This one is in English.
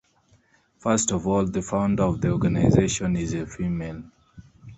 First of all, the founder of the organization is a female.